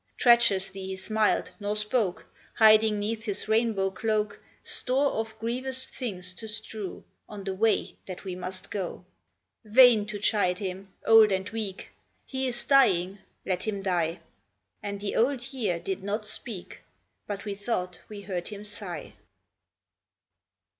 Treacherously he smiled, nor spoke, Hiding neath his rainbow cloak Store of grievous things to strew On the way that we must go. Vain to chide him ; old and weak, He is dying ; let him die." And the Old Year did not speak, But we thought we heard him sigh.